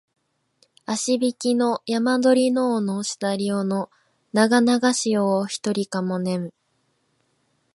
あしひきの山鳥の尾のしだり尾のながながし夜をひとりかも寝む